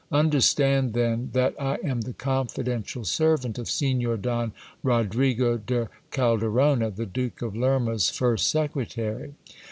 Understand, then, that I am the confidential servant of Signor Don Rodrigo de Calderona, the Duke of Lerma's first secretary.